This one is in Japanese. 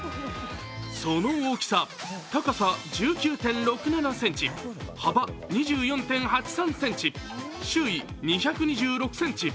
その大きさ高さ１９．６７ｃｍ、幅２４．３８ｃｍ、周囲２２６ｃｍ。